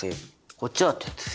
こっちは鉄製。